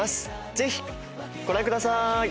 ぜひご覧ください！